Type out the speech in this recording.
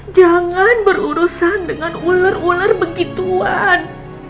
jangan berurusan dengan ular ular begituan